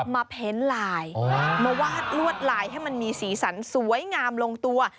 เพ้นลายมาวาดลวดลายให้มันมีสีสันสวยงามลงตัว